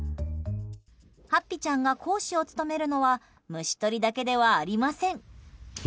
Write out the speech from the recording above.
はっぴちゃんが講師を務めるのは虫とりだけではありません。